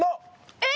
えっ！